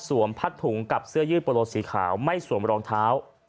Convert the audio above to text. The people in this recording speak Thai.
พัดถุงกับเสื้อยืดโปรสีขาวไม่สวมรองเท้า